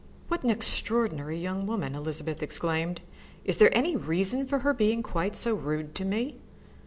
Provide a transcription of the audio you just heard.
"What an extraordinary young woman!" Elizabeth exclaimed. "Is there any reason for her being quite so rude to me?"